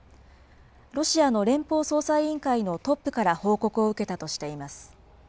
ロシアの連邦捜査委員会のトップから報告を受けたとしています。